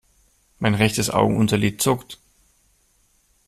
Mein rechtes Augenunterlid zuckt.